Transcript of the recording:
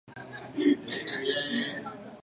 তিনি ইনোনু পদবী গ্রহণ করেন।